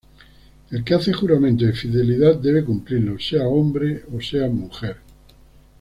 El que hace juramento de fidelidad debe cumplirlo, sea hombre o sea mujer.